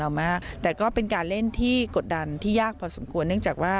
มากแต่ก็เป็นการเล่นที่กดดันที่ยากพอสมควรเนื่องจากว่า